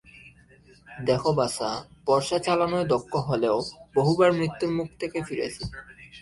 দেখো, বাছা, বর্শা চালানোয় দক্ষ হলেও, বহুবার মৃত্যুর মুখ থেকে ফিরেছি।